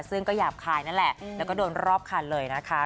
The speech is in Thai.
ซึ่งก็หยาบคายนั่นแหละแล้วก็โดนรอบคันเลยนะคะ